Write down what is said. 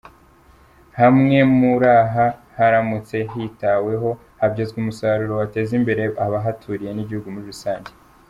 Hamwe muri aha haramutse hitaweho habyazwa umusaruro wateza imbere abahaturiye n’igihugu muri rusange.